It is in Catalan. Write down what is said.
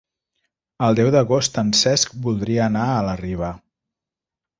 El deu d'agost en Cesc voldria anar a la Riba.